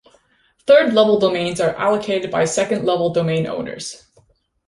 Third level domains are allocated by second level domain owners.